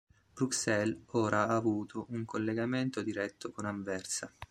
Bruxelles ora ha avuto un collegamento diretto con Anversa.